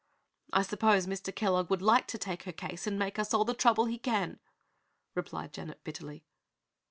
"I suppose Mr. Kellogg would like to take her case and make us all the trouble he can," replied Janet bitterly.